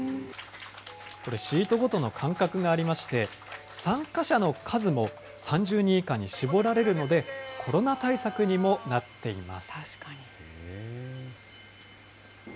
これ、シートごとの間隔がありまして、参加者の数も３０人以下に絞られるので、コロナ対策にもなっています。